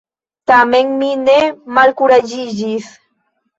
Tamen, mi ne malkuraĝiĝis.